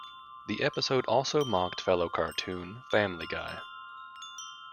The episode also mocked fellow cartoon "Family Guy".